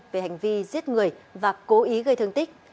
về hành vi giết người và cố ý gây thương tích